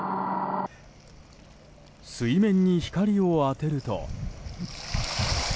水面に光を当てると。